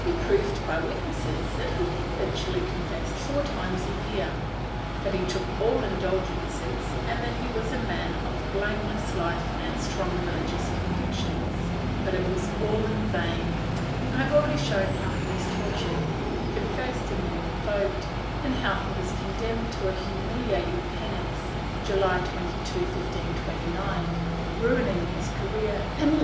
He proved by witnesses that he habitually confessed four times a year, that he took all indulgences and that he was a man of blameless life and strong religious convictions, but it was all in vain. I have already shown how he was tortured, confessed and then revoked, and how he was condemned to a humiliating penance, July 22, 1529, ruining his career and leaving an indelible stain on a family that had boasted of its limpieza.